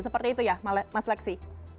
seperti itu ya mas leksi